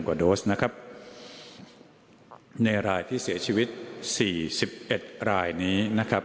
กว่าโดสนะครับในรายที่เสียชีวิตสี่สิบเอ็ดรายนี้นะครับ